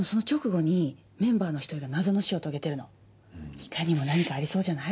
いかにも何かありそうじゃない？